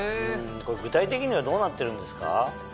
これ具体的にはどうなってるんですか？